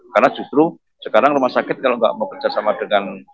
karena justru sekarang rumah sakit kalau nggak bekerjasama dengan